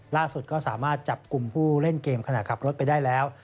ล่าสุดก็สามารถจับกลุ่มผู้เล่นเกมขณะขับรถไปได้แล้ว